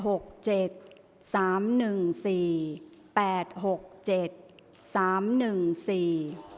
ออกรางวัลที่๖เลขที่๗